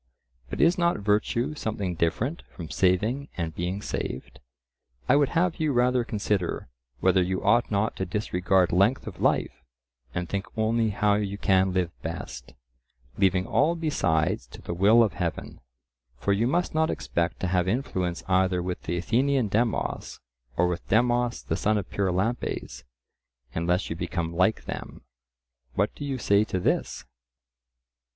But is not virtue something different from saving and being saved? I would have you rather consider whether you ought not to disregard length of life, and think only how you can live best, leaving all besides to the will of Heaven. For you must not expect to have influence either with the Athenian Demos or with Demos the son of Pyrilampes, unless you become like them. What do you say to this?